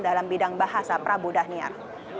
dalam bidang bahasa prabu dhaniar